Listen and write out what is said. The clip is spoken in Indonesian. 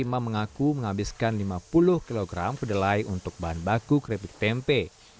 imam mengaku menghabiskan lima puluh kg kedelai untuk bahan baku keripik tempe